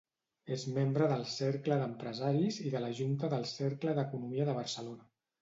És membre del Cercle d'Empresaris i de la junta del Cercle d'Economia de Barcelona.